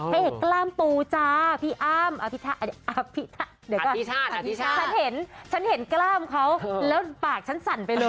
อ๋อเขย่กกล้ามตูจ้าพี่อ้ามข่าพิชาทฉันเห็นกล้ามเขาแล้วปากฉันสั่นไปเลย